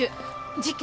事件？